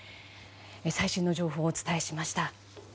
最新の情報をお伝えしました。